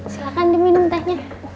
silahkan diminum tehnya